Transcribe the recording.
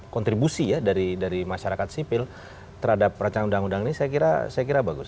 kontribusi ya dari masyarakat sipil terhadap rancangan undang undang ini saya kira bagus